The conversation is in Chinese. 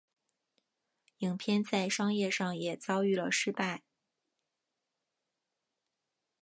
影片在商业上也遭遇了失败。